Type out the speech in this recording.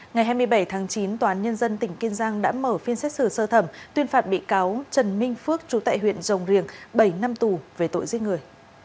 ngày hai mươi bảy tháng chín tòa án nhân dân tỉnh kiên giang đã mở phiên xét xử sơ thẩm tuyên phạt bị cáo trần minh phước chú tại huyện rồng riềng bảy năm tù về tội giết người